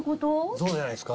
そうじゃないですか？